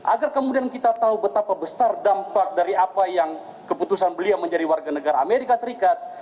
agar kemudian kita tahu betapa besar dampak dari apa yang keputusan beliau menjadi warga negara amerika serikat